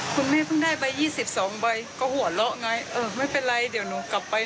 คุณแม่เพิ่งได้ไป๒๒ใบก็หัวเราะไงเออไม่เป็นไรเดี๋ยวหนูกลับไป